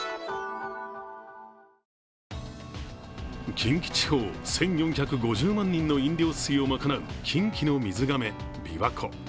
近畿地方１４５０万人の飲料水をまかなう近畿の水がめ、びわ湖。